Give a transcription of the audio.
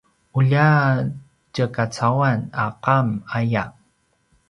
ulja tjekacauan a qam aya